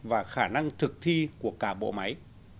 và khả năng thực thi của cả bộ máy